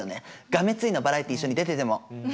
がめついのバラエティー一緒に出てても。